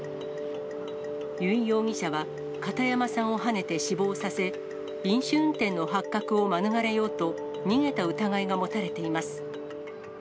由井容疑者は片山さんをはねて死亡させ、飲酒運転の発覚を免れようと、逃げた疑いが持たれています。